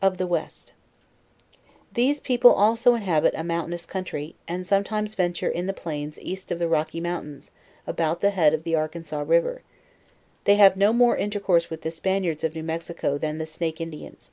OF THE WEST. These people also inhabit a mountainous country, and sometimes venture in the plains east of the Rocky mountains, about the head of the Arkansas riv er. They hare no* more intercourse with the Spaniards of New Mexico, than the Sr;ake Indians.